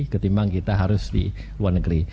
ketimbang kita harus di luar negeri